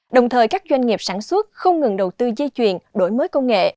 đồng thời các doanh nghiệp sản xuất không ngừng đầu tư dây chuyền đổi mới công nghệ